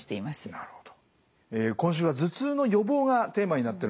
なるほど。